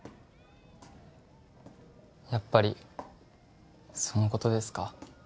やっぱりそのことですか